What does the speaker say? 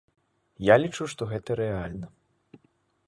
Я лічу, што гэта рэальна.